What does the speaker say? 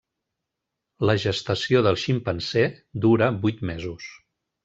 La gestació del ximpanzé dura vuit mesos.